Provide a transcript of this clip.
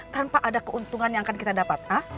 tanpa ada keuntungan yang akan kita dapat ha